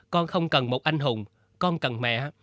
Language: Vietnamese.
con không cần một anh hùng con cần mẹ